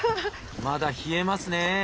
まだ冷えますね。